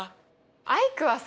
アイクはさ